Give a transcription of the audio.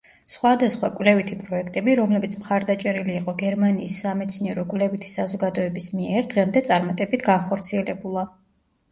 სხვადასხვა კვლევითი პროექტები, რომლებიც მხარდაჭერილი იყო გერმანიის სამეცნიერო-კვლევითი საზოგადოების მიერ დღემდე წარმატებით განხორციელებულა.